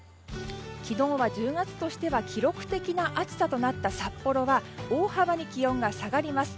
昨日は１０月としては記録的な暑さとなった札幌は大幅に気温が下がります。